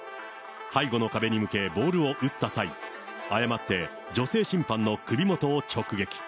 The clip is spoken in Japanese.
背後の壁に向け、ボールを打った際、誤って女性審判の首元を直撃。